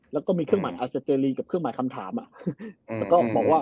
และก็มีเครื่องหมายอาเซ็ทดีกับเครื่องหมายคำถามอ่ะ